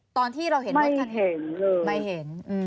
ตอนที่เราเห็นรถคันไม่เห็นเลย